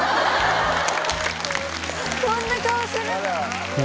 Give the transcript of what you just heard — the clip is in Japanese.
こんな顔するの？